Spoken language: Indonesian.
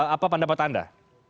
apa pendapat anda